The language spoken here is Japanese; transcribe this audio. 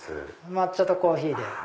抹茶とコーヒーで。